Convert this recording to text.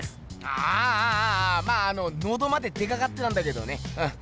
あぁあああまああののどまで出かかってたんだけどねうん。